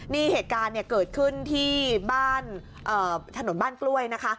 นี่เหตุการณ์เกิดขึ้นที่บ้านถนนบ้านกล้วยนะคะ